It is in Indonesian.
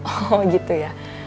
oh gitu ya